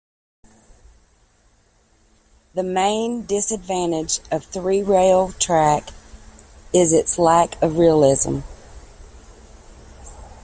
The main disadvantage of three-rail track is its lack of realism.